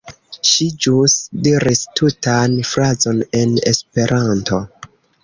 Ŝi ĵus diris tutan frazon en Esperanto!